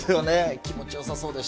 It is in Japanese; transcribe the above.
気持ちよさそうでした。